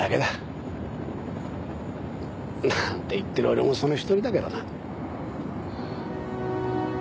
なんて言ってる俺もその一人だけどな。